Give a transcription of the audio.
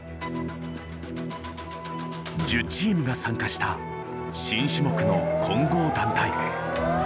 １０チームが参加した新種目の混合団体。